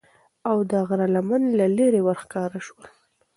او د غره لمن له لیری ورښکاره سول